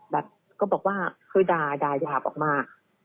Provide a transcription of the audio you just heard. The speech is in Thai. แบบก็บอกว่าคือด่ายาบออกมา